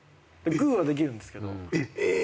グーはできるんですけど。